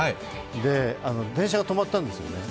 電車が止まったんですよね。